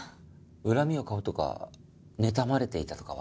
恨みを買うとかねたまれていたとかは？